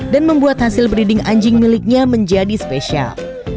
dan membuat hasil breeding anjing miliknya menjadi spesial